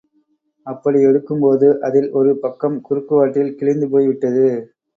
அப்படி எடுக்கும்போது அதில் ஒரு பக்கம் குறுக்குவாட்டில் கிழிந்து போய் விட்டது.